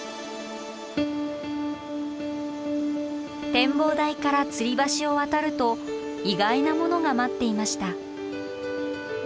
展望台からつり橋を渡ると意外なものが待っていました。